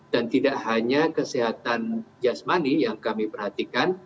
dan tidak hanya kesehatan jasmani yang kami perhatikan